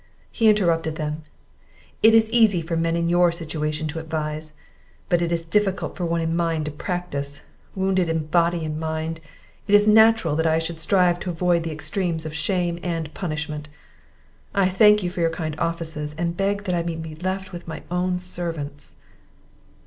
He interrupted them. "It is easy for men in your situation to advise, but it is difficult for one in mine to practise; wounded in body and mind, it is natural that I should strive to avoid the extremes of shame and punishment; I thank you for your kind offices, and beg I may be left with my own servants."